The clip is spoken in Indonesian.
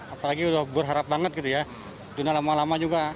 apalagi buruh harap banget gitu ya ditunda lama lama juga